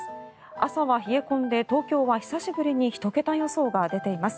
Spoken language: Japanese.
朝は冷え込んで東京は久しぶりに１桁予想が出ています。